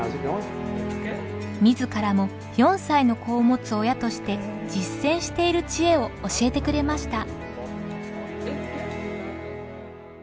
自らも４歳の子を持つ親として実践しているチエを教えてくれました。